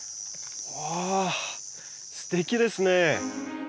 わあすてきですね！